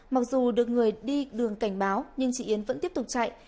mặc dù được người đi đường cảnh báo nhưng chị yến vẫn tiếp tục chạy